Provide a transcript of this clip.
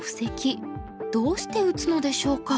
どうして打つのでしょうか？